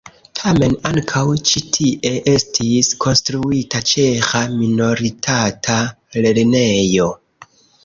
Tamen ankaŭ ĉi tie estis konstruita ĉeĥa minoritata lernejo.